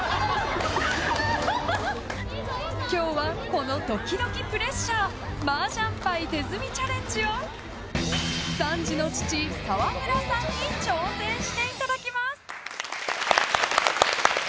今日はこのドキドキプレッシャー麻雀牌手積みチャレンジを３児の父・沢村さんに挑戦していただきます。